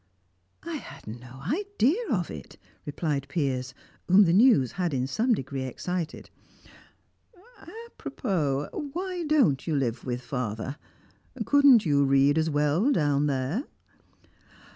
"I had no idea of it," replied Piers, whom the news had in some degree excited. "Apropos, why don't you live with father? Couldn't you read as well down there?"